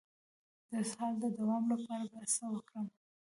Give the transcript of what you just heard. د اسهال د دوام لپاره باید څه وکړم؟